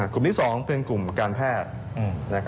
กลุ่มที่๒เป็นกลุ่มการแพทย์